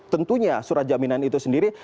tentunya surat jaminan itu sendiri